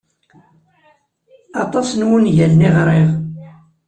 Aṭas n wungalen i ɣriɣ.